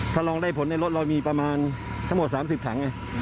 ถ้าลองได้ผลในรถเรามีประมาณทั้งหมด๓๐ถังไง